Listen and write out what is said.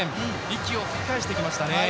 息を吹き返してきましたね。